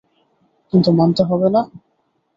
কিন্তু মানাতে হবে না?